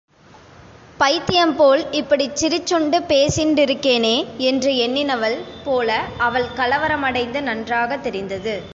பைத்தியம்போல் இப்படிச் சிரிச்சுண்டு பேசிண்டிருக்கேனே! என்று எண்ணினவள் போல அவள் கலவரமடைந்தது நன்றாகத் தெரிந்தது.